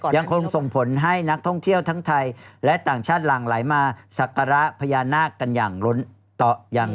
ยังคงส่งผลให้นักท่องเที่ยวทั้งไทยและต่างชาติหลังไหลมาสักการะพญานาคกันอย่างล้นต่ออย่าง